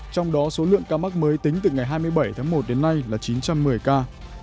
trong đó số lượng ca mắc mới tính từ ngày hai mươi bảy tháng một đến nay là chín trăm một mươi ca